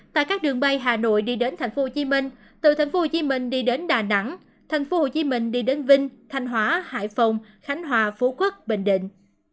tại các đường bay hà nội đi đến tp hcm từ tp hcm đi đến đà nẵng tp hcm đi đến vinh thanh hóa hải phòng khánh hòa phú quốc bình định